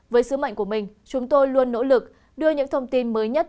với sứ mệnh của mình chúng tôi luôn nỗ lực đưa những thông tin mới nhất